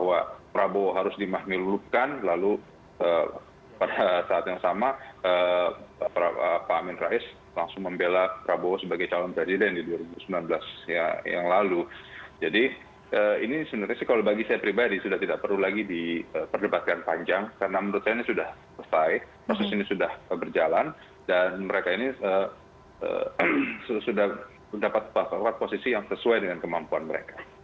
jadi ini sebenarnya kalau bagi saya pribadi sudah tidak perlu lagi diperdebatkan panjang karena menurut saya ini sudah selesai proses ini sudah berjalan dan mereka ini sudah dapat berpapar posisi yang sesuai dengan kemampuan mereka